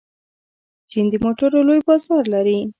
چین د موټرو لوی بازار لري.